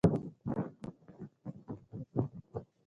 اړوند د يخ کاريز په سيمه کي،